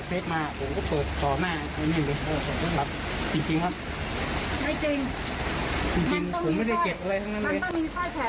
ค้าบ้านทักที่รถมันตายวันนี้หรือหลบนี้